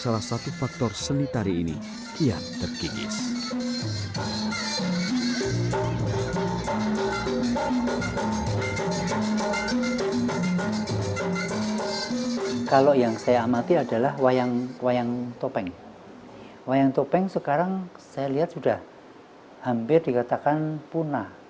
wayang topeng sekarang saya lihat sudah hampir dikatakan punah